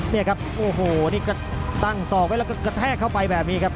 นี่ครับโอ้โหนี่ก็ตั้งศอกไว้แล้วก็กระแทกเข้าไปแบบนี้ครับ